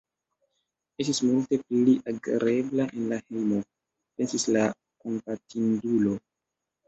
"Estis multe pli agrable en la hejmo," pensis la kompatindulo.